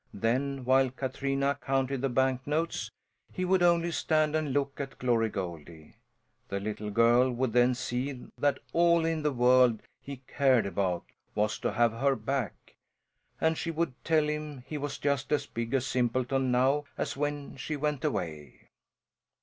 Then, while Katrina counted the bank notes, he would only stand and look at Glory Goldie. The little girl would then see that all in the world he cared about was to have her back, and she would tell him he was just as big a simpleton now as when she went away.